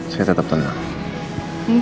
saya tetap tenang